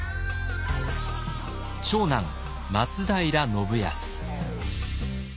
長男松平信康。